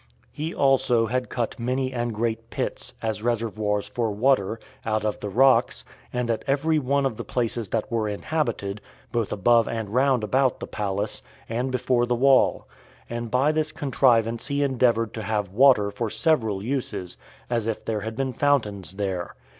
He also had cut many and great pits, as reservoirs for water, out of the rocks, at every one of the places that were inhabited, both above and round about the palace, and before the wall; and by this contrivance he endeavored to have water for several uses, as if there had been fountains there.